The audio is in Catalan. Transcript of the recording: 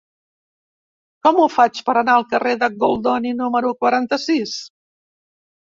Com ho faig per anar al carrer de Goldoni número quaranta-sis?